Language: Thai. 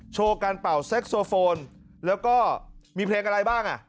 โชว์การเป่าแซ็กโซโฟนแล้วก็มีเพลงอะไรบ้างอ่ะ